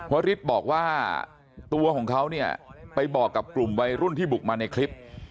วริสบอกว่าตัวของเขาเนี่ยไปบอกกับกลุ่มวัยรุ่นที่บุกมาในคลิป